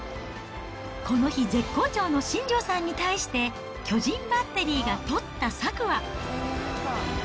この日、絶好調の新庄さんに対して、巨人バッテリーが取った策は。